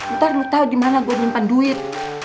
ntar lu tau dimana gue nyimpan duit